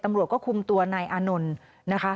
ตำรวจก็คุมตัวนายอำนวล